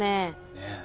ねえ。